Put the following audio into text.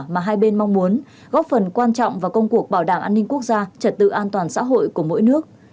mà hai bên mong muốn góp phần quan trọng vào công cuộc bảo đảm an ninh quốc gia trật tự an toàn xã hội của mỗi nước